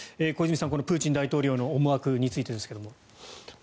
小泉さん、このプーチン大統領の思惑についてですが。